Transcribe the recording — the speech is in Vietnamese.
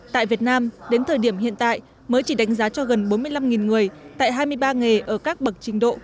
tại việt nam đến thời điểm hiện tại mới chỉ đánh giá cho gần bốn mươi năm người tại hai mươi ba nghề ở các bậc trình độ